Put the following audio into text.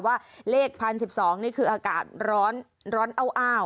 ว่าเลข๑๐๑๒นี่คืออากาศร้อนอ้าว